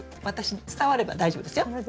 私に伝われば大丈夫ですよ。